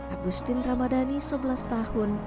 agustin ramadhani sebelas tahun